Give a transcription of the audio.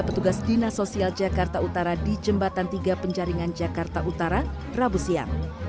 petugas dinas sosial jakarta utara di jembatan tiga penjaringan jakarta utara rabu siang